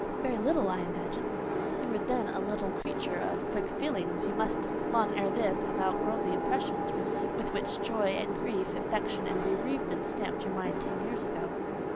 "Very little, I imagine." "You were then a little creature of quick feelings: you must, long ere this, have outgrown the impressions with which joy and grief, affection and bereavement, stamped your mind ten years ago."